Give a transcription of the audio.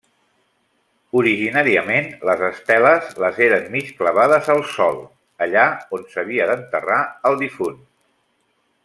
Originàriament, les esteles les eren mig clavades al sòl, allà on s'havia d'enterrar el difunt.